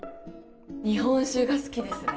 日本酒が好きですね。